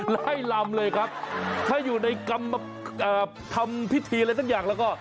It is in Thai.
ไล่ลำเลยครับถ้าอยู่ในกรรมทำพิธีอะไรสักอย่างแล้วก็